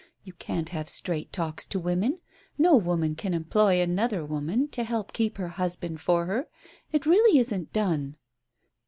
You can't have straight talks to women. No woman can employ another woman to help keep her husband for her — it really isn't done."